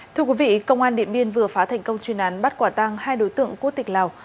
thưa quý vị công an điện biên vừa phá thành công chuyên án bắt quả tăng hai đối tượng quốc tịch lào